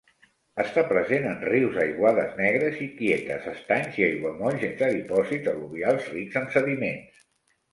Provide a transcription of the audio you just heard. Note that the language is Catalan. Està present en rius aiguades negres i quietes, estanys i aiguamolls sense dipòsits al·luvials rics en sediments.